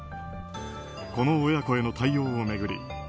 この親子への対応を巡り